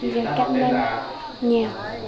xin cảm ơn nhiều